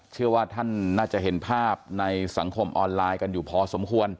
เชื่อว่าท่านน่าจะเห็นภาพในสังคมออนไลน์กันอยู่พอสมควร